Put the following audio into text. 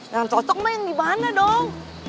yang cocok mah yang di mana dong